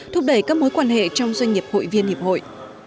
thúc đẩy các mối quan hệ trong doanh nghiệp hội viên hiệp hội